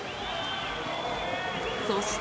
そして。